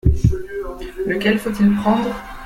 Lequel faut-il prendre ?